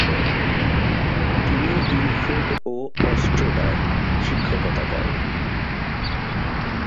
তিনি ইলফ্রেড ও ওস্ট্রোডায় শিক্ষকতা করেন।